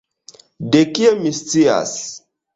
De kie mi scias?